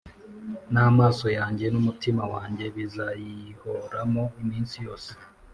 n’amaso yanjye n’umutima wanjye bizayihoramo iminsi yose